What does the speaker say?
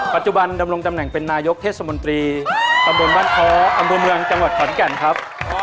ปัจจุบันดำรงตำแหน่งเป็นนายกเทศมนตรีตำบลบ้านท้ออำเภอเมืองจังหวัดขอนแก่นครับ